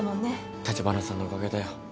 立花さんのおかげだよ。